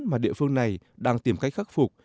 mà địa phương này đang tìm cách khắc phục